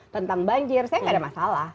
tentang banjir saya tidak ada masalah